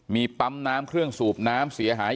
มีปั๊มน้ำเครื่องสูบน้ำเสียหาย